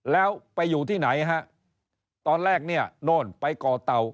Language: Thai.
แล้วไปอยู่ที่ไหนฮะตอนแรกเนี่ยโน่นไปก่อเต่า